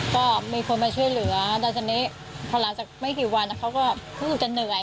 ก็มีคนมาช่วยเหลือแล้วทีนี้พอหลังจากไม่กี่วันเขาก็เพิ่งจะเหนื่อย